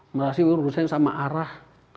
merapi ini urusan sama arah